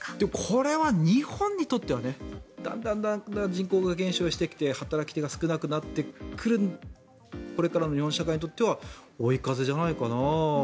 これは日本にとってはだんだん人口が減少してきて働き手が少なくなってくるこれからの日本社会にとっては追い風じゃないかな。